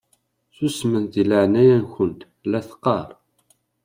Susmemt deg leɛnaya-nkent la teqqaṛ!